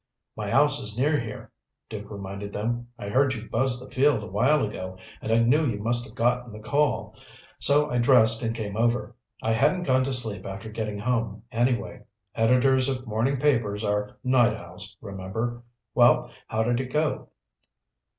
"My house is near here," Duke reminded them. "I heard you buzz the field a while ago and I knew you must have gotten the call. So I dressed and came over. I hadn't gone to sleep after getting home, anyway. Editors of morning papers are night owls, remember. Well, how did it go?"